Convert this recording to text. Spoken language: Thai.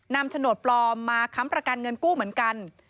โฉนดปลอมมาค้ำประกันเงินกู้เหมือนกัน